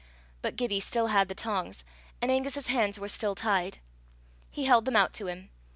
But Gibbie still had the tongs, and Angus's hands were still tied. He held them out to him.